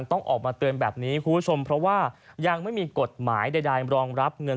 แต่ว่าอยู่ช่วงนี้มันกลับมาฮิตใหม่อีกกันรอบนึง